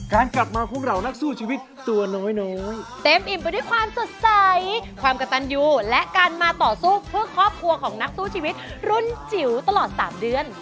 การกลับมาพวกเรานักสู้ชีวิตตัวน้อยเต็มอิ่มไปด้วยความสดใสความกระตันยูและการมาต่อสู้เพื่อครอบครัวของนักสู้ชีวิตรุ่นจิ๋วตลอด๓เดือน